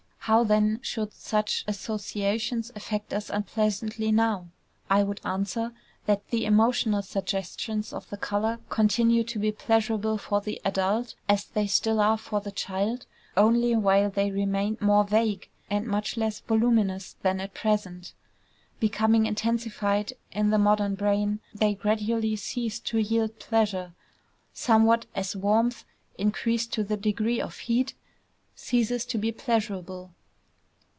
How then should such associations affect us unpleasantly now? I would answer that the emotional suggestions of the color continued to be pleasurable for the adult, as they still are for the child, only while they remained more vague and much less voluminous than at present. Becoming intensified in the modern brain, they gradually ceased to yield pleasure, somewhat as warmth increased to the degree of heat ceases to be pleasurable.